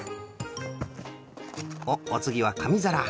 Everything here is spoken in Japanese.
おっおつぎはかみざら。